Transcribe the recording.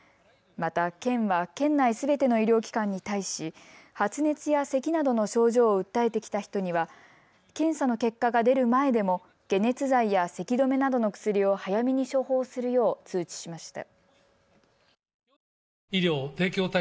また県は県内すべての医療機関に対し発熱やせきなどの症状を訴えてきた人には検査の結果が出る前でも解熱剤やせき止めなどの薬を早めに処方するよう通知しました。